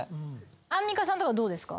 アンミカさんとかどうですか？